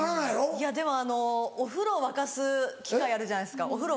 いやでもあのお風呂沸かす機械あるじゃないですか。